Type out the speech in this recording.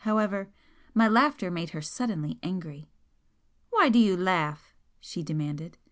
However, my laughter made her suddenly angry. "Why do you laugh?" she demanded.